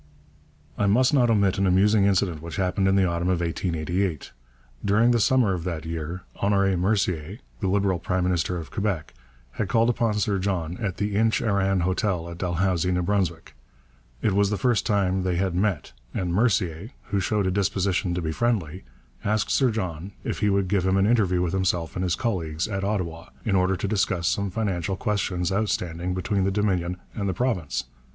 I must not omit an amusing incident which happened in the autumn of 1888. During the summer of that year Honoré Mercier, the Liberal prime minister of Quebec, had called upon Sir John at the Inch Arran hotel at Dalhousie, New Brunswick. It was the first time they had met, and Mercier, who showed a disposition to be friendly, asked Sir John if he would give him an interview with himself and his colleagues at Ottawa in order to discuss some financial questions outstanding between the Dominion and the province.